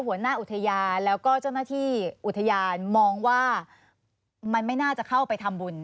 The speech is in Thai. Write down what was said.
หัวหน้าอุทยานแล้วก็เจ้าหน้าที่อุทยานมองว่ามันไม่น่าจะเข้าไปทำบุญ